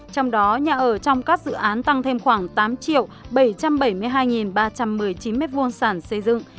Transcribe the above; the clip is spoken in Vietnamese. trong đó nhà ở trong các dự án tăng thêm khoảng tám triệu bảy trăm bảy mươi hai ba trăm một mươi chín m hai sản xây dựng